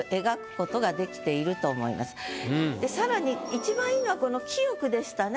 さらに一番いいのはこの「清く」でしたね。